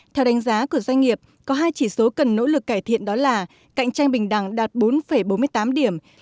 theo đánh giá của doanh nghiệp có hai chỉ số cần nỗ lực cải thiện đó là cạnh tranh bình đẳng đạt bốn bốn mươi tám điểm